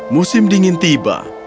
musim dingin tiba